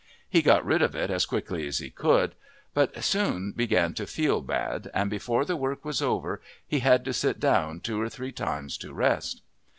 He got rid of it as quickly as he could, but soon began to feel bad, and before the work was over he had to sit down two or three times to rest.